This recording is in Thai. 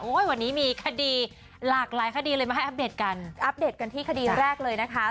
วันนี้มีคดีหลากหลายคดีเลยมาให้อัปเดตกันอัปเดตกันที่คดีแรกเลยนะคะ